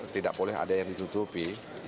tidak boleh ada yang ditutupi